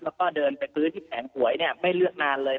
แล้วก็เดินไปซื้อที่แผงหวยเนี่ยไม่เลือกนานเลย